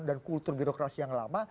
dan kultur birokrasi yang lama